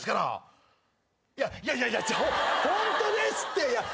いやいやいやいやホントですって！